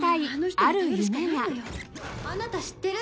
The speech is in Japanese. あなた知ってる？